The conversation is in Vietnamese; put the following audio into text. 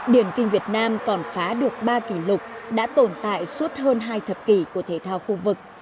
điển kinh việt nam còn phá được ba kỷ lục đã tồn tại suốt hơn hai thập kỷ của thể thao khu vực